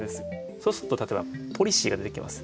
そうすると例えばポリシーが出てきます。